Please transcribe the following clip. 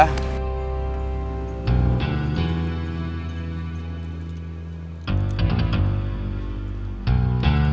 gak kamu masih sakit